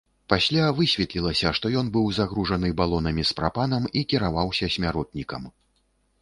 Пасля высветлілася, што ён быў загружаны балонамі з прапанам і кіраваўся смяротнікам.